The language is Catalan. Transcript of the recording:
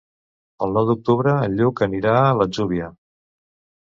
El nou d'octubre en Lluc anirà a l'Atzúbia.